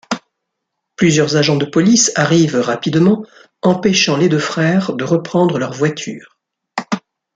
Plusieurs agents de police arrivent rapidement, empêchant les deux frères de reprendre leur voiture.